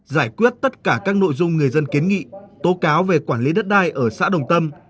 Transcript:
giải quyết tất cả các nội dung người dân kiến nghị tố cáo về quản lý đất đai ở xã đồng tâm